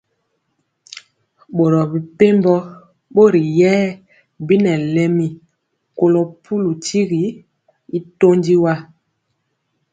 Boro mɛ pɛmbɔ rori yɛɛ bi nɛ lɛmi kolo pulu tyigi y ntɔndi wa.